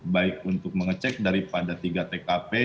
baik untuk mengecek daripada tiga tkp